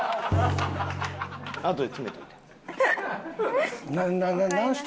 あとで詰めといて。